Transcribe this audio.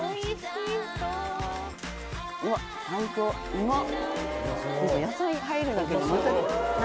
うまっ！